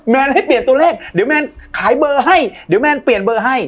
แนนให้เปลี่ยนตัวเลขเดี๋ยวแมนขายเบอร์ให้เดี๋ยวแมนเปลี่ยนเบอร์ให้